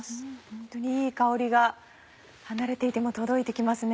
ホントにいい香りが離れていても届いて来ますね。